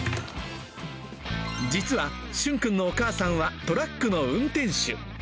実は旬くんのお母さんはトラックの運転手。